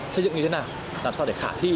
xây dựng như thế nào làm sao để khả thi